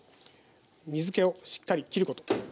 水けをしっかりきること。